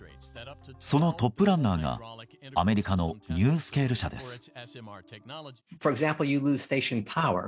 そのトップランナーがアメリカのニュースケール社です。